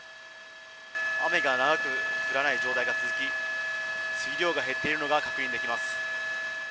雨が長く降らない状態が続き、水量が減っているのが確認できます。